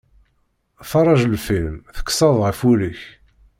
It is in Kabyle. Ferrej lfilm, tekkseḍ ɣef ul-ik.